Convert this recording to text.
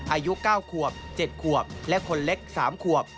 อายุ๙ขวบ๗ขวบและคนเล็ก๓ขวบ